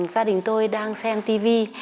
gia đình tôi đang xem tivi